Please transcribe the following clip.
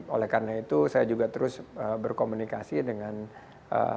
oleh karena itu saya juga terus berkomunikasi dengan ee